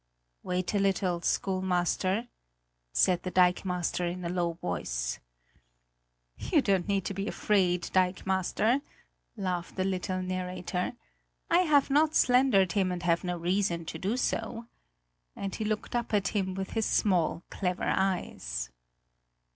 "Wait a little, schoolmaster," said the dikemaster in a low voice. "You don't need to be afraid, dikemaster," laughed the little narrator. "I have not slandered him and have no reason to do so" and he looked up at him with his small clever eyes.